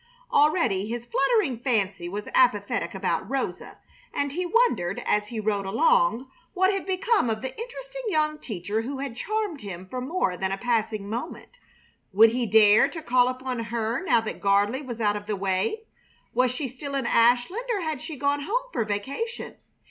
Already his fluttering fancy was apathetic about Rosa, and he wondered, as he rode along, what had become of the interesting young teacher who had charmed him for more than a passing moment. Would he dare to call upon her, now that Gardley was out of the way? Was she still in Ashland or had she gone home for vacation?